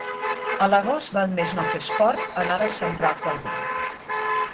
A l'agost val més no fer esport en hores centrals del dia.